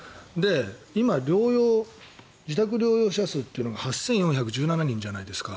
今、療養者数っていうのが８４１７人じゃないですか。